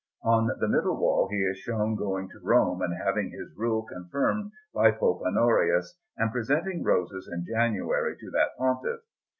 On the middle wall he is shown going to Rome and having his Rule confirmed by Pope Honorius, and presenting roses in January to that Pontiff.